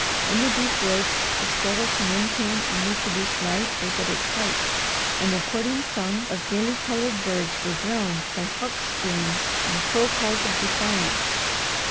In the deep woods the struggle to maintain and reproduce life was at its height, and the courting songs of gaily coloured birds were drowned by hawk screams and crow calls of defiance.